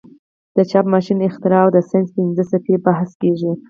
د چاپ ماشین اختراع او د ساینس پنځه څپې بحث کیږي.